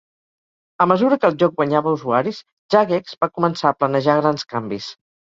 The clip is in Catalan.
A mesura que el joc guanyava usuaris, Jagex va començar a planejar grans canvis.